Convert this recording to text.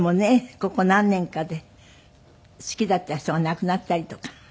ここ何年かで好きだった人が亡くなったりとか。